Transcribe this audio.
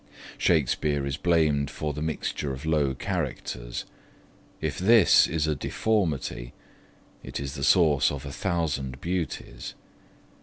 Shakespeare is blamed for the mixture of low characters. If this is a deformity, it is the source of a thousand beauties.